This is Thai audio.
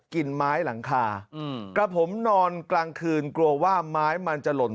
กินไม้หลังคากับผมนอนกลางคืนกลัวว่าไม้มันจะหล่น